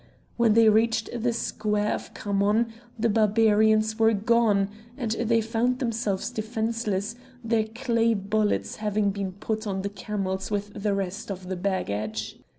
When they reached the square of Khamon the Barbarians were gone, and they found themselves defenceless, their clay bullets having been put on the camels with the rest of the baggage.